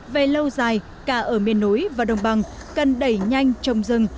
về lâu dài cả ở miền núi và đồng bằng cần đẩy nhanh trồng rừng